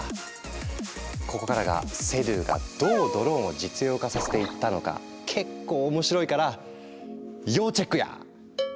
ここからがセドゥがどうドローンを実用化させていったのか結構面白いから要チェックや！